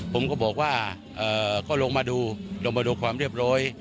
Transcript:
ผมก็บอกว่าก็ลงมาดูลงมาดูความเรียบร้อย